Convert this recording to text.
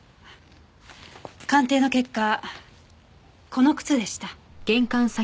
鑑定の結果この靴でした。